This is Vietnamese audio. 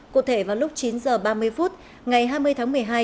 cụ thể vào lúc chín h ba mươi phút ngày hai mươi tháng một mươi hai